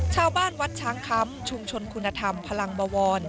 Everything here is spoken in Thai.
ชาวบ้านวัดช้างคำชุมชนคุณธรรมพลังบวร